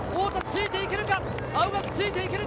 太田ついていけるか？